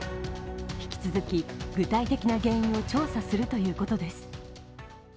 引き続き、具体的な原因を調査するということです。